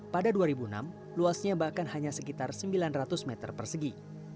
pada dua ribu enam luasnya bahkan hanya sekitar sembilan ratus meter persegi